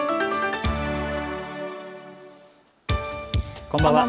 こんばんは。